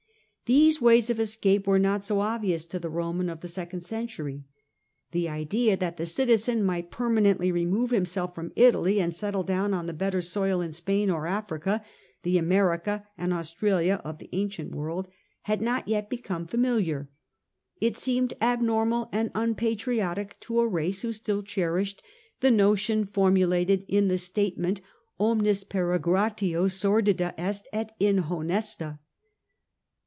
Thes© ways of escape were not so obvious to the Roman of the second century. The idea that the citizen might per manently remove himself from Italy, and settle down on better soil in Spain or Africa—the America and Australia of the ancient world — had not yet become familiar. It seemed abnormal and unpatriotic to a race who still cherished the notion formulated in the statement omnis jperegrinatio sordida est et inhonesta.